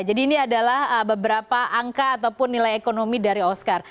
jadi ini adalah beberapa angka ataupun nilai ekonomi dari oscar